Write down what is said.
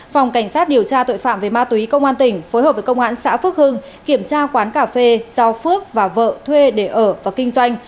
phòng cảnh sát điều tra tội phạm về ma túy công an tỉnh phối hợp với công an xã phước hưng kiểm tra quán cà phê do phước và vợ thuê để ở và kinh doanh